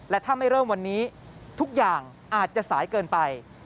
และถ้าไม่เริ่มวันนี้ทุกอย่างอาจจะสายเกินไป